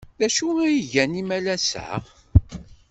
D acu ay gan imalas-a?